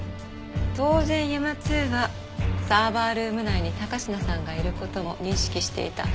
当然ＵＭＡ−Ⅱはサーバールーム内に高階さんがいる事も認識していた。